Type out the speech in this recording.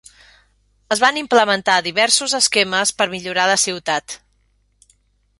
Es van implementar diversos esquemes per millorar la ciutat.